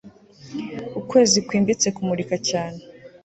Ukwezi kwimbitse kumurika cyane